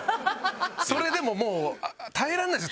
それでももう耐えらんないです